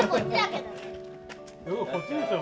こっちでしょ？